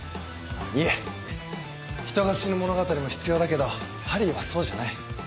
いえ人が死ぬ物語も必要だけど『ハリー』はそうじゃない。